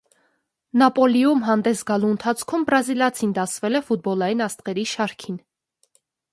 «Նապոլիում» հանդես գալու ընթացքում բրազիլացին դասվել է ֆուտբոլային աստղերի շարքին։